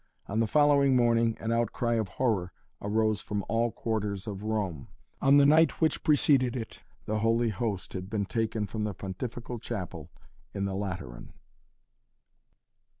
On the following morning an outcry of horror arose from all quarters of Rome. On the night which preceded it, the Holy Host had been taken from the Pontifical Chapel in the Lateran.